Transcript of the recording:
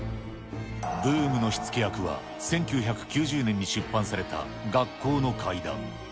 ブームの火付け役は、１９９０年に出版された学校の怪談。